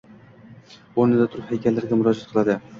O’rnida turib haykallarga murojaat qiladi.